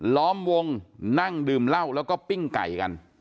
ล้อมวงนั่งดื่มเหล้าแล้วก็ปิ้งไก่กัน